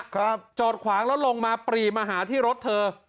จอดขวางแล้วลงมาปรีมาหาที่รถเธอ